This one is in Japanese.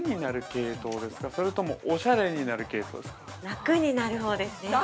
◆楽になるほうですね。